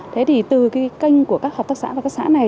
thế thì từ cái kênh của các hợp tác xã và các xã này